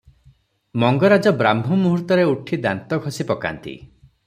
ମଙ୍ଗରାଜ ବ୍ରାହ୍ମମୁହୂର୍ତ୍ତରେ ଉଠି ଦାନ୍ତ ଘଷି ପକାନ୍ତି ।